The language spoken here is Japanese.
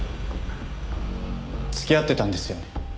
付き合ってたんですよね？